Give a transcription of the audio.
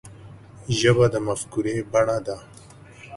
ژبه د مفکورې بڼه ده